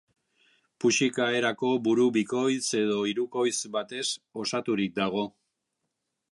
Puxika erako buru bikoitz edo hirukoitz batez osaturik dago.